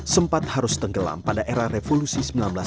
sempat harus tenggelam pada era revolusi seribu sembilan ratus sembilan puluh